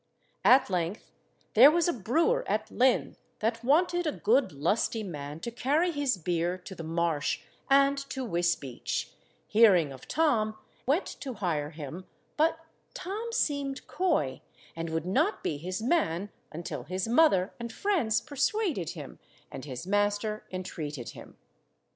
At length there was a brewer at Lynn that wanted a good lusty man to carry his beer to the Marsh and to Wisbeach, hearing of Tom, went to hire him, but Tom seemed coy, and would not be his man until his mother and friends persuaded him, and his master entreated him.